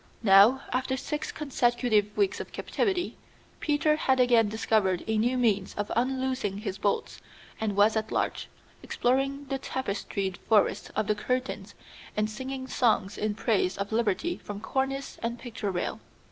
Now, after six consecutive weeks of captivity, Peter had again discovered a new means of unloosing his bolts and was at large, exploring the tapestried forests of the curtains and singing songs in praise of liberty from cornice and picture rail.